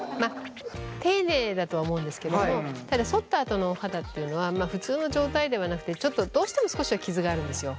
丁寧だとは思うんですけどもただそったあとのお肌というのは普通の状態ではなくてちょっとどうしても少しは傷があるんですよ。